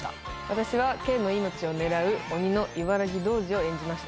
私はケイの命を狙う鬼の茨木童子を演じました。